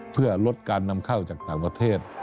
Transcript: เพื่อลดการนำเข้าจากต่างประเทศ